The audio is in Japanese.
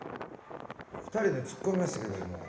２人でツッコみましたけども。